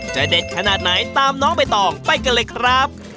เด็ดขนาดไหนตามน้องใบตองไปกันเลยครับ